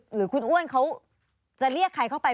หรือคุณอ้วนเขาจะเรียกใครเข้าไป